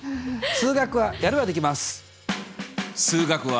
数学はやればできます！